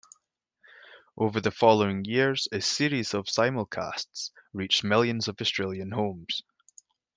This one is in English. Over the following years a series of simulcasts reached millions of Australian homes.